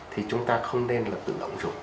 thì chúng ta không nên là tự động dùng ăn cung